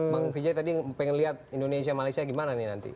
bang vijay tadi pengen lihat indonesia malaysia gimana nih nanti